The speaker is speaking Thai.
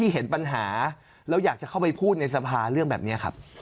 เห็นปัญหาแล้วอยากจะเข้าไปพูดในสภาเรื่องแบบนี้ครับ